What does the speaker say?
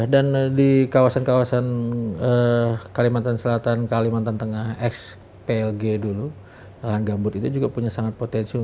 dan di kawasan kawasan kalimantan selatan kalimantan tengah ex plg dulu lahan gambut itu juga punya sangat potensi untuk